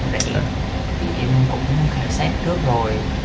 thì em cũng khai sát trước rồi